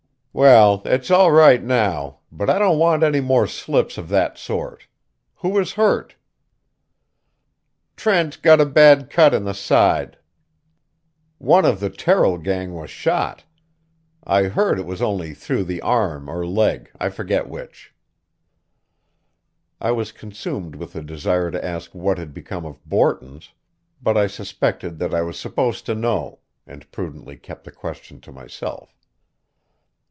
"Well, it's all right now, but I don't want any more slips of that sort. Who was hurt?" "Trent got a bad cut in the side. One of the Terrill gang was shot. I heard it was only through the arm or leg, I forget which." I was consumed with the desire to ask what had become of Borton's, but I suspected that I was supposed to know, and prudently kept the question to myself.